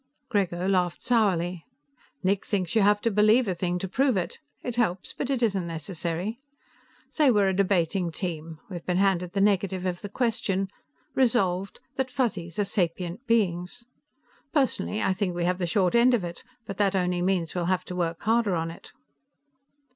Grego laughed sourly. "Nick thinks you have to believe a thing to prove it. It helps but it isn't necessary. Say we're a debating team; we've been handed the negative of the question. Resolved: that Fuzzies are Sapient Beings. Personally, I think we have the short end of it, but that only means we'll have to work harder on it."